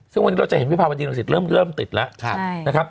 ซึ่งวันนี้เราจะเห็นวิภาวดีรังสิตเริ่มติดแล้วนะครับ